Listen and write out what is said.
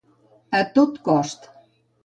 A tot cost.